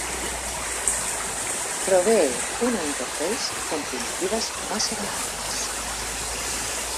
Provee una interface con primitivas más avanzadas.